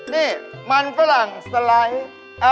นี่มันฝรั่งสไลด์